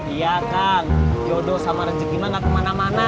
iya kang jodoh sama rezeki mah gak kemana mana